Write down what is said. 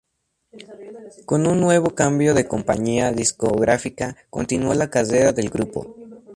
Con un nuevo cambio de compañía discográfica continuó la carrera del grupo.